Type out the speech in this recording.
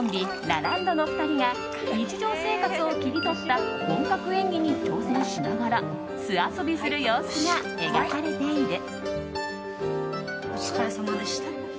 ラランドの２人が日常生活を切り取った本格演技に挑戦しながら酢あそびする様子が描かれている。